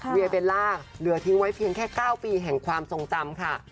เวียเบลล่าเหลือทิ้งไว้เพียงแค่๙ปีแห่งความทรงจำค่ะ